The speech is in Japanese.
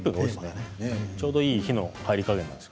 ちょうどいい火の入り方なんです。